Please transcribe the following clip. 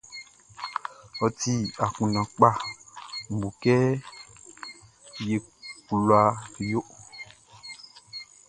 Ôti akunndan kpa, Nʼbu kɛ ye kula yo.